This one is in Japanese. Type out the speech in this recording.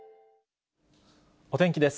お天気です。